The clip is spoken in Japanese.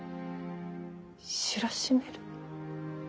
知らしめる。